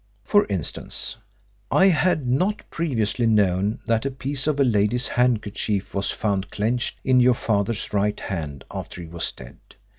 For instance, I had not previously known that a piece of a lady's handkerchief was found clenched in your father's right hand after he was dead.